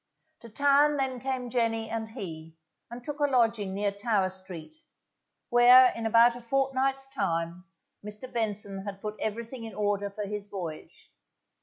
To town then came Jenny and he, and took a lodging near Tower Street, where in about a fortnight's time, Mr. Benson had put everything in order for his voyage.